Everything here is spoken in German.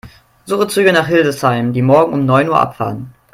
Suche Züge nach Hildesheim, die morgen um neun Uhr abfahren.